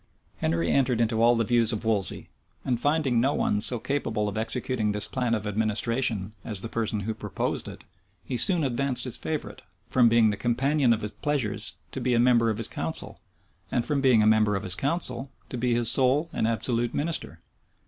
Henry entered into all the views of Wolsey; and finding no one so capable of executing this plan of administration as the person who proposed it, he soon advanced his favorite, from being the companion of his pleasures, to be a member of his council; and from being a member of his council, to be his sole and absolute minister.